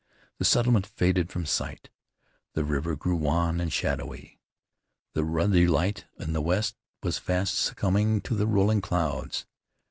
The settlement faded from sight; the river grew wan and shadowy. The ruddy light in the west was fast succumbing to the rolling clouds.